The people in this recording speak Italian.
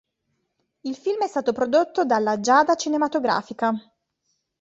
Il film è stato prodotto dalla Giada Cinematografica.